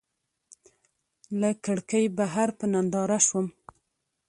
له کړکۍ بهر په ننداره شوم.